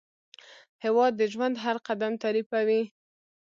هېواد د ژوند هر قدم تعریفوي.